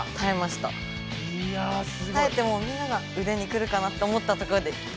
たえてもうみんながうでにくるかなと思ったところで。